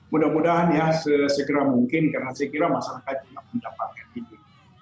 mudah mudahan ya segera mungkin karena saya kira masyarakat juga mendapatkan itu